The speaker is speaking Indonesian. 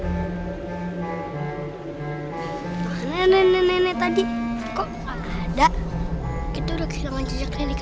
apa yang lama lama disini